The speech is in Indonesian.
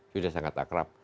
sudah sangat akrab